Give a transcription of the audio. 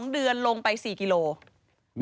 ๒เดือนลงไป๔กิโลกรัม